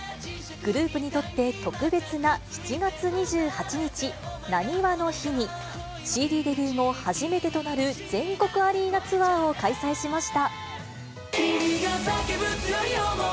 グループにとって特別な７月２８日、なにわの日に、ＣＤデビュー後、初めてとなる全国アリーナツアーを開催しました。